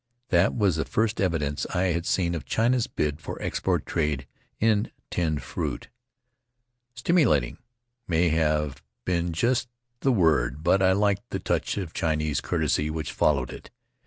That was the first evidence I had seen of China's bid for export trade in tinned fruit. "Stimu lating" may not have been just the word, but I liked the touch of Chinese courtesy which followed it.